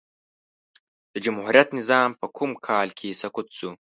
د جمهوريت نظام په کوم کال کی سقوط سو؟